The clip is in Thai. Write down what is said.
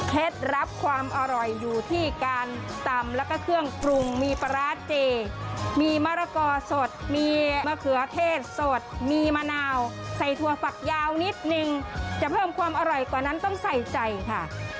รับความอร่อยอยู่ที่การตำแล้วก็เครื่องปรุงมีปลาร้าเจมีมะละกอสดมีมะเขือเทศสดมีมะนาวใส่ถั่วฝักยาวนิดนึงจะเพิ่มความอร่อยกว่านั้นต้องใส่ใจค่ะ